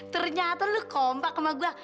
ternyata lo kompak sama gua